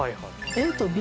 ＡとＢ。